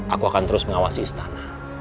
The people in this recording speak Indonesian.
aku akan terus mengawasi istana